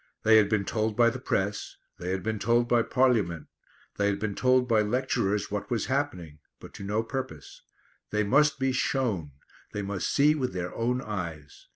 They had been told by the press; they had been told by Parliament; they had been told by lecturers what was happening, but to no purpose. They must be shown; they must see with their own eyes.